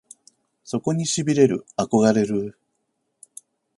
そこに痺れる憧れるぅ！！